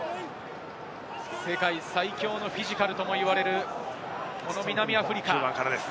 世界最強のフィジカルとも言われる南アフリカ。